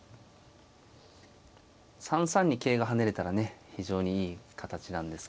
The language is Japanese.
３三に桂が跳ねれたらね非常にいい形なんですけど。